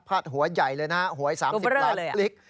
ผ้าดหัวใหญ่เลยนะหวย๓๐ล้านคลิก